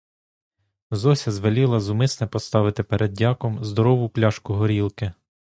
Зося звеліла зумисне поставити перед дяком здорову пляшку горілки.